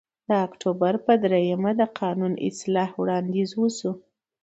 د اکتوبر په درېیمه د قانون اصلاح وړاندیز وشو